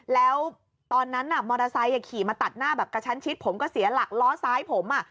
แล้วตอนนั้นมอเตอร์ไซค์ขี่มาตัดหน้าแบบกระชั้นชิดผมก็เสียหลักล้อซ้ายผม